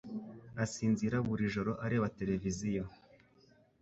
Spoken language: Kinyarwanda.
asinzira buri joro areba televiziyo